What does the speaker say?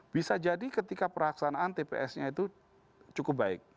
bisa jadi ketika peraksanaan tpsnya itu cukup baik